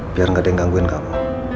biar nggak ada yang gangguin kamu